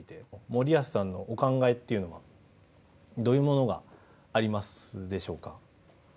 森保さんのお考えというのはどういうものがありますでしょうか。